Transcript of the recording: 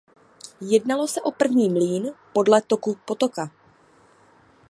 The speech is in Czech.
Jednalo se o první mlýn podle toku potoka.